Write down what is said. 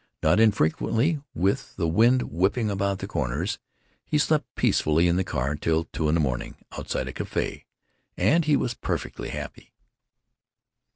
Not infrequently, with the wind whooping about corners, he slept peacefully in the car till two in the morning, outside a café. And he was perfectly happy.